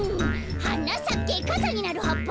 「はなさけかさになるはっぱ」